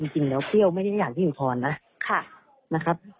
เขาก็เลยเปลี่ยนใจมาเป็นอุทธรณนะครับ